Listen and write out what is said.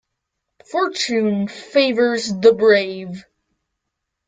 Fortune favours the brave.